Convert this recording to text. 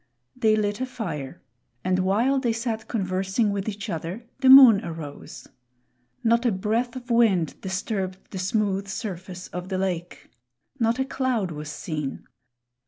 They lit a fire, and while they sat conversing with each other, the moon arose. Not a breath of wind disturbed the smooth surface of the lake. Not a cloud was seen.